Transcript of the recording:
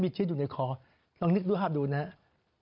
มีชื่ออยู่ในคอลองนึกดูครับดูนะครับ